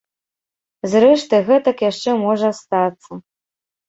Зрэшты, гэтак яшчэ можа стацца.